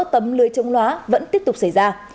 tấm lưới chống lóa vẫn tiếp tục xảy ra